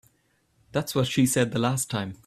That's what she said the last time.